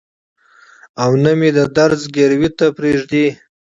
او نه مې د درد ځګروي ته پرېږدي.